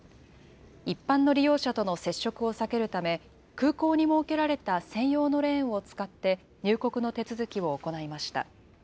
一般の利用者との接触を避けるため、空港に設けられた専用のレーンを使って、入国の手続きを行いました。